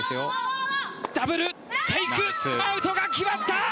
ダブルテイクアウトが決まった！